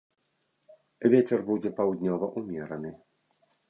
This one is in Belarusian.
Вецер будзе паўднёвы ўмераны.